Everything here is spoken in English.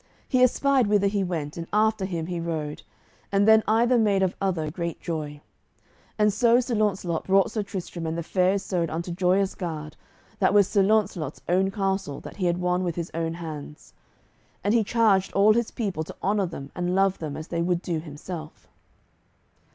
He espied whither he went, and after him he rode, and then either made of other great joy. And so Sir Launcelot brought Sir Tristram and the Fair Isoud unto Joyous Gard, that was Sir Launcelot's own castle that he had won with his own hands. And he charged all his people to honour them and love them as they would do himself.